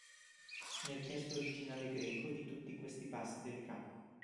Nel testo originale greco di tutti questi passi del cap.